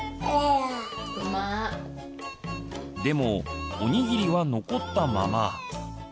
でもおにぎりは残ったまま。